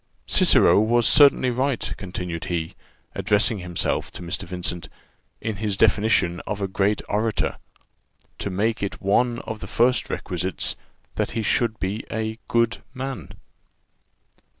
Cicero was certainly right," continued he, addressing himself to Mr. Vincent, "in his definition of a great orator, to make it one of the first requisites, that he should be a good man."